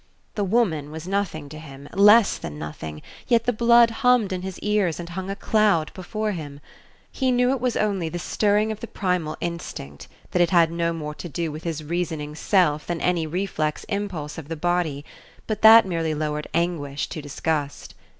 The woman was nothing to him less than nothing yet the blood hummed in his ears and hung a cloud before him. He knew it was only the stirring of the primal instinct, that it had no more to do with his reasoning self than any reflex impulse of the body; but that merely lowered anguish to disgust.